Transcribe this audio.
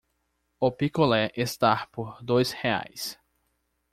O picolé está por dois reais.